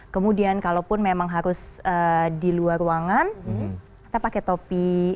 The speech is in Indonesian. kemudian kalaupun memang harus di luar ruangan kita pakai topi